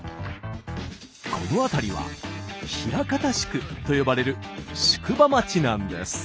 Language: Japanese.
この辺りは「枚方宿」と呼ばれる宿場町なんです。